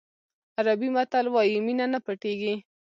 عربي متل وایي مینه نه پټېږي.